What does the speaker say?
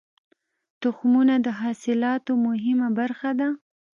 تخمونه د حاصلاتو مهمه برخه ده.